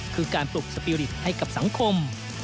คือการปลุกสปีริตให้กับสังคม